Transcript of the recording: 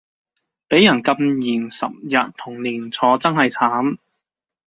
畀人禁言十日同連坐真係慘